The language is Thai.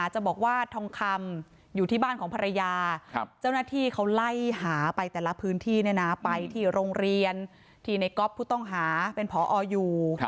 เจ้าหน้าที่เขาไล่หาไปแต่ละพื้นที่เนี่ยนะไปที่โรงเรียนที่ในก๊อบผู้ต้องหาเป็นพออยู่